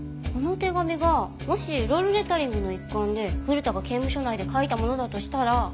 この手紙がもしロールレタリングの一環で古田が刑務所内で書いたものだとしたら。